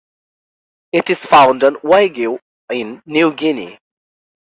It is found on Waigeo in New Guinea.